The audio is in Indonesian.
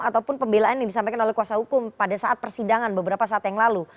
ataupun pembelaan yang disampaikan oleh kuasa hukum pada saat persidangan beberapa saat yang lalu